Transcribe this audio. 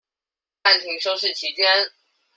暫停收視期間